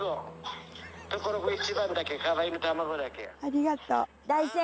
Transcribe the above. ありがとう。